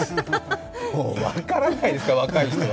もう分からないですから、若い人は。